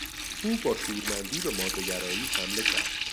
او با شورمندی به ماده گرایی حمله کرد.